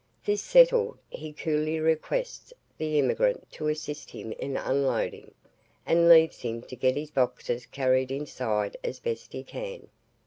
This settled, he coolly requests the emigrant to assist him in unloading, and leaves him to get his boxes carried inside as best he can.